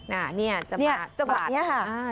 นี่จังหวะนี้ครับ